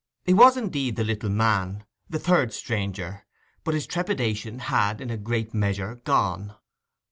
He was, indeed, the little man, the third stranger; but his trepidation had in a great measure gone.